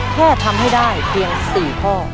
แค่ทำให้ได้เพียง๔ข้อ